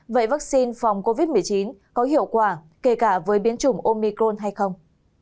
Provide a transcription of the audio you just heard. vậy vaccine phòng covid một mươi chín có hiệu quả kể cả với biến chủng omicron hay không